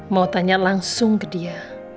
mau tanya langsung ke dia